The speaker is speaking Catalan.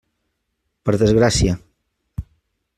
Per desgràcia.